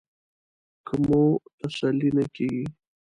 که مو تسلي نه کېږي.